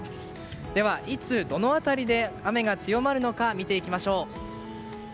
では、いつどの辺りで雨が強まるのか見ていきましょう。